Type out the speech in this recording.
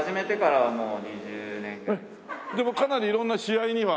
でもかなり色んな試合には。